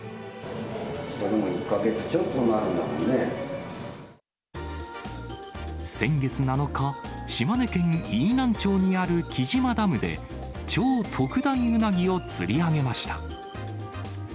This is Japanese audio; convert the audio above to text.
もう１か月ちょっとになるん先月７日、島根県飯南町にある来島ダムで、超特大ウナギを釣り上げました。